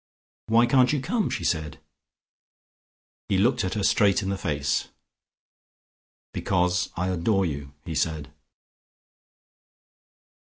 "Why can't you come?" she said. He looked at her straight in the face. "Because I adore you," he said.